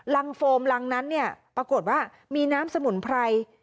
โฟมรังนั้นเนี่ยปรากฏว่ามีน้ำสมุนไพร